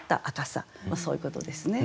まあそういうことですね。